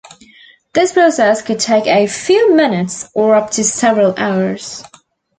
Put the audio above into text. This process could take a few minutes or up to several hours.